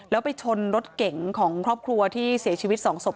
แล้วไปชนรถเก่งของครอบครัวที่เสียชีวิตสองศพ